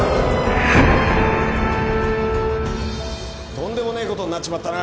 とんでもねえ事になっちまったな。